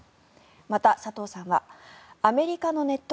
また、佐藤さんはアメリカのネット